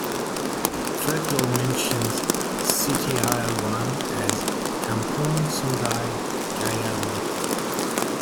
Folklore mentions Sitiawan as Kampung Sungai Gajah Mati.